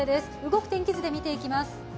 動く天気図で見ていきます。